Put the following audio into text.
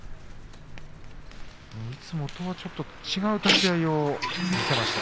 いつもとはちょっと違う立ち合いを見せました。